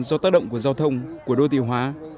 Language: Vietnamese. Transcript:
do tác động của giao thông của đô tiêu hóa